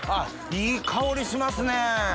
いい香りしますね。